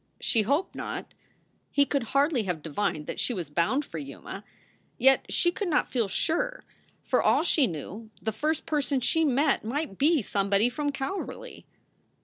She hoped not. He could hardly have divined that she was bound for Yuma. Yet she could not feel sure. For all she knew, the first person she met might be somebody from Calverly.